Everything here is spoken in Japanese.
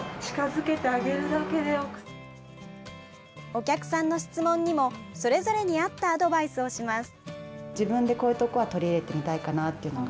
お客さんの質問にもそれぞれに合ったアドバイスをします。